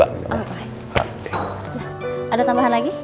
ada tambahan lagi